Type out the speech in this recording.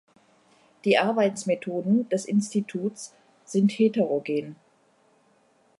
Die Arbeitsmethoden des Instituts sind heterogen.